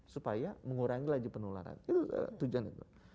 supaya mengurangi laju penularan itu tujuan itu